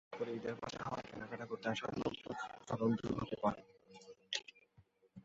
বিশেষ করে ঈদের বাজার হওয়ায় কেনাকাটা করতে আসা লোকজন চরম দুর্ভোগে পড়েন।